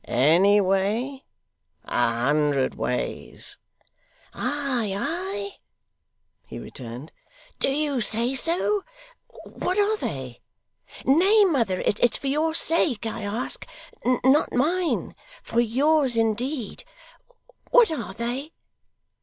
'Any way! A hundred ways.' 'Ay, ay?' he returned. 'Do you say so? What are they? Nay, mother, it's for your sake I ask; not mine; for yours, indeed. What are they?